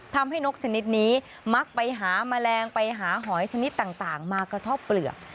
นกชนิดนี้มักไปหาแมลงไปหาหอยชนิดต่างมากระท่อเปลือก